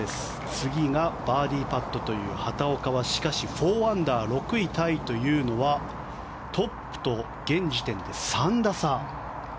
次がバーディーパットという畑岡はしかし４アンダー、６位タイというのはトップと現時点で３打差。